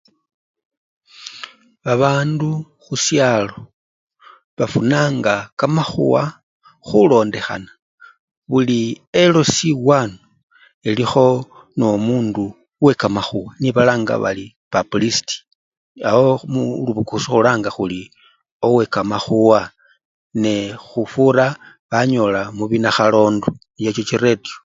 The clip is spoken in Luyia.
Babandu khusyalo bafunanga kamakhuwa khulondekhana buli LC1 elikho nomundu wekamakhuwa niye balanga bari pabuliciti awowo mu! mulubukusu niokhulanga khuri owekamakhuwa nekhufura banyola mubinakhalondo echecho chiretiyo.